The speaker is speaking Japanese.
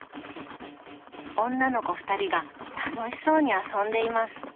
女の子２人が楽しそうに遊んでいます。